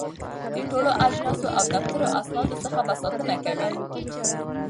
د ټولو اجناسو او دفتري اسنادو څخه به ساتنه کوي.